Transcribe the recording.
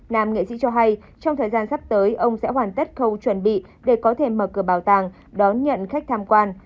nam nghệ sĩ cho hay trong thời gian sắp tới ông sẽ hoàn tất khâu chuẩn bị để có thể mở cửa bảo tàng đón nhận khách tham quan